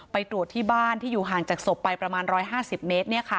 ไปตรวจที่บ้านที่อยู่ห่างจากศพไปประมาณ๑๕๐เมตร